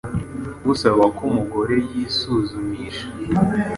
usaba ko umugore yisuzumisha